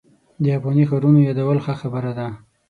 د افغاني ښارونو یادول ښه خبره ده.